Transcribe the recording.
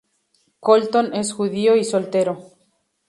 Colton es judío y soltero.